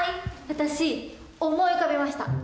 私思い浮かびました。